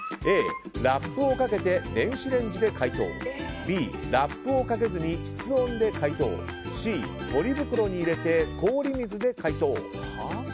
Ａ、ラップをかけて電子レンジで解凍Ｂ、ラップをかけずに室温で解凍Ｃ、ポリ袋に入れて氷水で解凍。